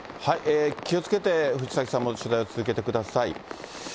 気をつけて、藤崎さんも取材を続けてください。